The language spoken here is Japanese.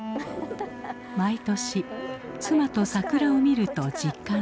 毎年妻と桜を見ると実感する。